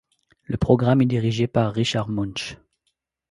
Le programme est dirigé par Richard Munch.